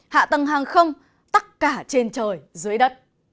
hạ tầng hàng không tất cả trên trời dưới đất